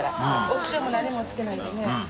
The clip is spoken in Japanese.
お塩も何もつけないでね。